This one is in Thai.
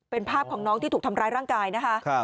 เป็นภาพของน้องที่ถูกทำร้ายร่างกายนะคะ